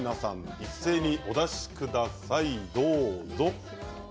一斉にお出しください。